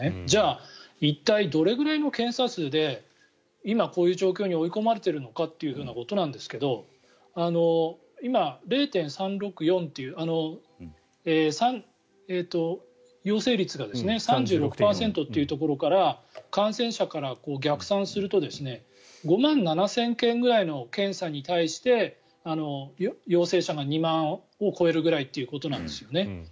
じゃあ、一体どれぐらいの検査数で今、こういう状況に追い込まれてるのかということなんですが今、０．３６４という陽性率が３６％というところから感染者から逆算すると５万７０００件くらいの検査に対して陽性者が２万を超えるぐらいということなんですよね。